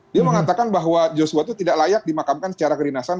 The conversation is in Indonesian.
dia mengatakan bahwa joshua itu tidak layak dimakamkan secara kedinasan